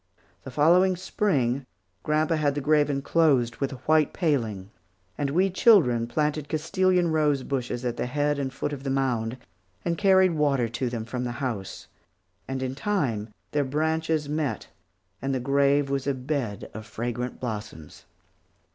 The following Spring grandpa had the grave enclosed with a white paling; and we children planted Castilian rose bushes at the head and foot of the mound, and carried water to them from the house, and in time their branches met and the grave was a bed of fragrant blossoms.